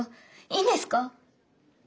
いいんですか？